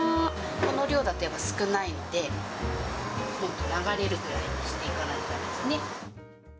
この量だとやっぱり少ないので、もっと流れるぐらいにしていかないとだめですね。